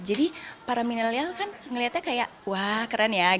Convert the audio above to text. jadi para milenial kan ngeliatnya kayak wah keren ya